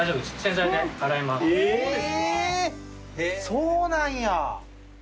そうなんや！